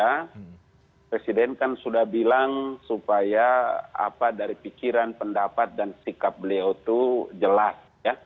karena presiden kan sudah bilang supaya apa dari pikiran pendapat dan sikap beliau itu jelas